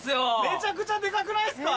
めちゃくちゃデカくないっすか？